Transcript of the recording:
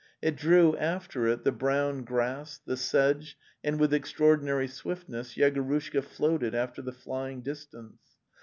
... It drew after it the brown grass, the sedge, and with extraordinary swiftness Yegorushka floated after the flying dis tance.